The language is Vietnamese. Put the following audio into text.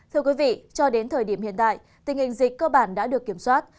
thưa quý vị cho đến thời điểm hiện tại tình hình dịch cơ bản đã được kiểm soát